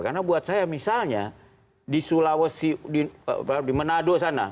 karena buat saya misalnya di sulawesi di manado sana